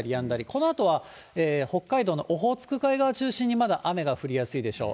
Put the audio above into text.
このあとは北海道のオホーツク海側中心に、まだ雨が降りやすいでしょう。